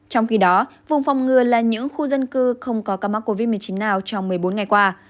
trong khi đó vùng phòng ngừa là những khu dân cư không có ca mắc covid một mươi chín nào trong một mươi bốn ngày qua